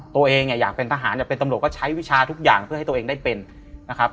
ตัวเองอยากเป็นทหารอยากเป็นตำรวจก็ใช้วิชาทุกอย่างเพื่อให้ตัวเองได้เป็นนะครับ